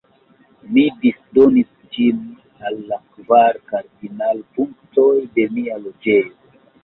Mi disdonis ĝin al la kvar kardinalpunktoj de mia loĝejo.